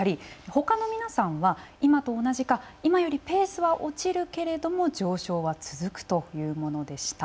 他の皆さんは、今と同じか今よりペースは落ちるけれども上昇は続くというものでした。